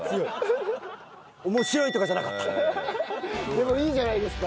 でもいいじゃないですか。